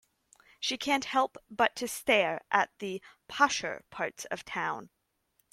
She can't help but to stare at the posher parts of town.